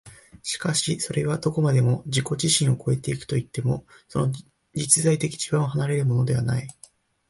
しかしそれはどこまでも自己自身を越え行くといっても、その実在的地盤を離れるのではない。